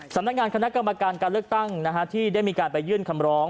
สำนักงานคณะกรรมการการเลือกตั้งที่ได้มีการไปยื่นคำร้อง